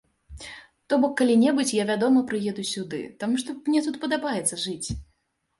То бок калі-небудзь я вядома прыеду сюды, таму што мне тут падабаецца жыць.